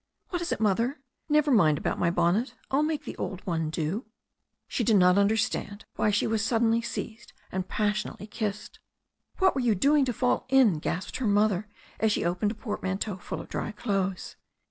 "What is it, mother? Never mind about my bonnet. I'll make the old one do." She did not THE STORY OF A NEW ZEALAND MVER 19 understand why she was suddenly seized and passionately kissed. "What were you doing to fall in?" gasped her mother, as she opened a portmanteau full of dry clothes.